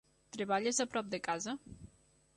Treballes a prop de casa?